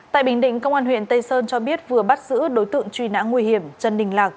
tại bình định công an huyện tây sơn cho biết vừa bắt giữ đối tượng truy nã nguy hiểm trần đình lạc